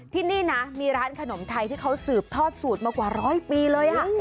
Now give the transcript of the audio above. ที่นี่นะมีร้านขนมไทยที่เขาสืบทอดสูตรมากว่าร้อยปีเลย